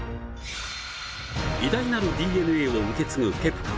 偉大なるＤＮＡを受け継ぐケプカ。